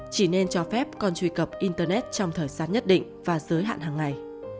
chỉ nên cho phép con truy cập internet trong thời gian nhất định và giới hạn hàng ngày